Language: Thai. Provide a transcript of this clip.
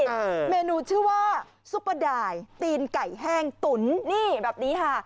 เมนูชื่อว่าซุปเปอร์ดายตีนไก่แห้งตุ๋นนี่แบบนี้ค่ะ